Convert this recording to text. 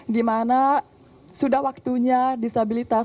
di mana sudah waktunya disabilitas bukan kualitas